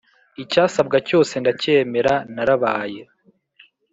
icyasabwa cyose ndacyemera narabaye